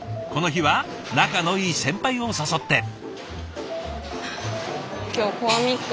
この日は仲のいい先輩を誘って。